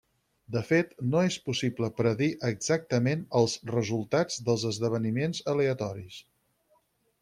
De fet, no és possible predir exactament els resultats dels esdeveniments aleatoris.